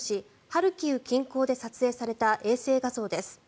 ハルキウ近郊で撮影された衛星画像です。